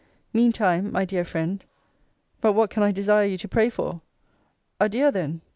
Mean time, my dear friend But what can I desire you to pray for? Adieu, then!